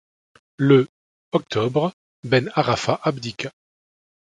Le octobre, Ben Arafa abdiqua.